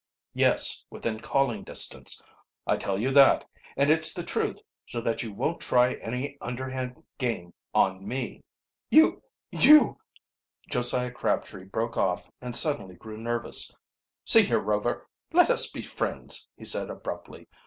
"Yes, within calling distance. I tell you that and it's the truth so that you won't try any underhand game on me." "You you " Josiah Crabtree broke off and suddenly grew nervous. "See here, Rover, let us be friends," he said abruptly.